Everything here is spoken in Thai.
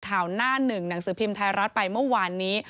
หน้าหนึ่งหนังสือพิมพ์ไทยรัฐไปเมื่อวานนี้